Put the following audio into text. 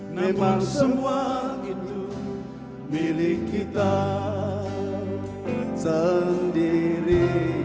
memang semua itu milik kita sendiri